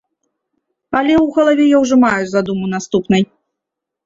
Але ў галаве я ўжо маю задуму наступнай.